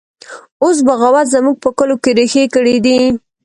اوس بغاوت زموږ په کلو کې ریښې کړي دی